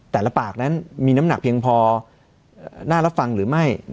แต่ละปากนั้นมีน้ำหนักเพียงพอน่ารับฟังหรือไม่